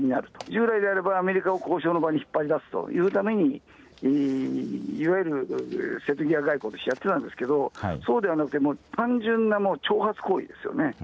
従来であればアメリカを交渉の場に引っ張り出すというために、いわゆる瀬戸際外交でやってたんですけど、そうではなくて、単純なもう、挑発行為ですよね。